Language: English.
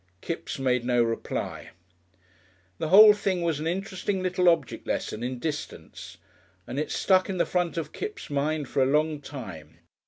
Kipps made no reply.... The whole thing was an interesting little object lesson in distance, and it stuck in the front of Kipps' mind for a long time.